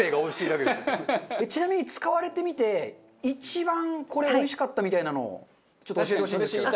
ちなみに使われてみて一番これおいしかったみたいなのをちょっと教えてほしいんですけど。